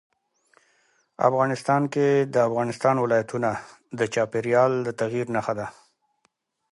افغانستان کې د افغانستان ولايتونه د چاپېریال د تغیر نښه ده.